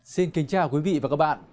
xin kính chào quý vị và các bạn